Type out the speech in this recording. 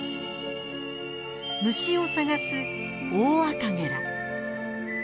虫を探すオオアカゲラ。